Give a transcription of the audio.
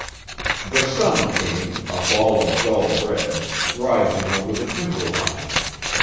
The sun came, a ball of dull red, rising over the timber line.